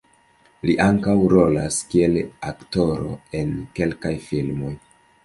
Li ankaŭ rolas kiel aktoro en kelkaj filmoj.